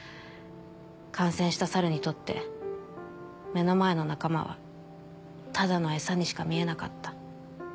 感染した猿にとって目の前の仲間はただのエサにしか見えなかった。